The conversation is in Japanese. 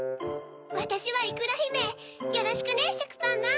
わたしはいくらひめよろしくねしょくぱんまん。